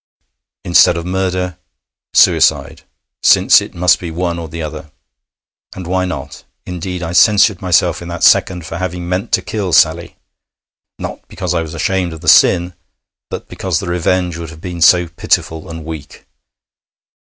Instead of murder suicide, since it must be one or the other. And why not? Indeed, I censured myself in that second for having meant to kill Sally. Not because I was ashamed of the sin, but because the revenge would have been so pitiful and weak.